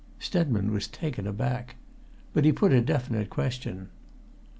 Stedman was taken aback. But he put a definite question.